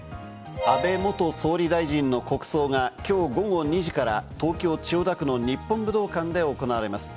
安倍元総理大臣の国葬が今日午後２時から東京・千代田区の日本武道館で行われます。